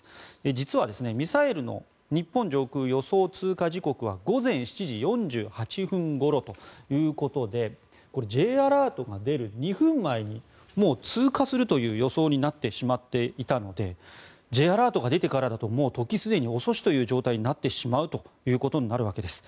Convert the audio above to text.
実は、ミサイルの日本上空予想通過時刻は午前７時４８分ごろということでＪアラートが出る２分前にもう通過するという予想になってしまっていたのでＪアラートが出てからだともう時すでに遅しという状態になってしまうということになるわけです。